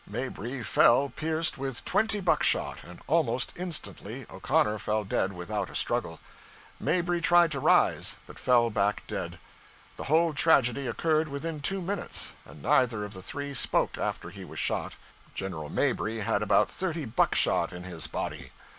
Mabry fell pierced with twenty buckshot, and almost instantly O'Connor fell dead without a struggle. Mabry tried to rise, but fell back dead. The whole tragedy occurred within two minutes, and neither of the three spoke after he was shot. General Mabry had about thirty buckshot in his body.